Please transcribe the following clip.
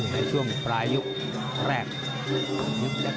ในช่วงปลายยกแรก